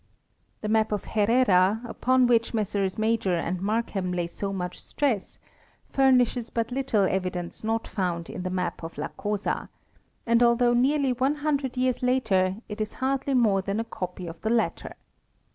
The map of Herrera (see figure 1), upon which Messrs Major and Markham lay so much stress, furnishes but little evidence not found in the map of la Cosa, and although nearly one hun dred years later, it is hardly more than a copy of the latter.